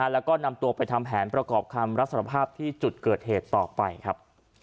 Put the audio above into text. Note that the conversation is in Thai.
แล้วก็นำตัวไปทำแผนประกอบคำรับสารภาพที่จุดเกิดเหตุต่อไปครับ